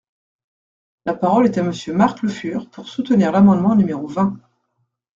La parole est à Monsieur Marc Le Fur, pour soutenir l’amendement numéro vingt.